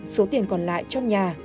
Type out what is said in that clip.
số tiền còn lại trong nhà